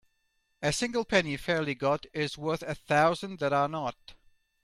A single penny fairly got is worth a thousand that are not.